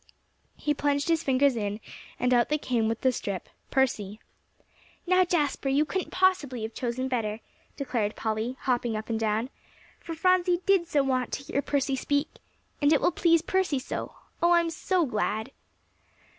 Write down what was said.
He plunged his fingers in, and out they came with the strip, "Percy." "Now, Jasper, you couldn't possibly have chosen better," declared Polly, hopping up and down, "for Phronsie did so want to hear Percy speak. And it will please Percy so. Oh, I'm so glad!"